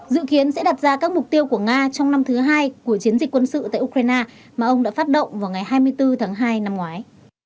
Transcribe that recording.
dự kiến sẽ đặt ra các mục tiêu của nga trong năm thứ hai của chiến dịch quân sự tại ukraine mà ông đã phát động vào ngày hai mươi bốn tháng hai năm ngoái